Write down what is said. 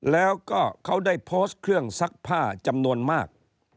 แล้วก็เขาได้โพสต์เครื่องซักผ้าจำนวนมาก